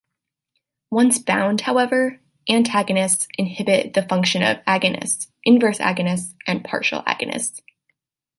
Once bound, however, antagonists inhibit the function of agonists, inverse agonists, and partial agonists.